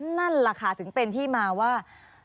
นั่นแหละค่ะถึงเป็นที่มาว่า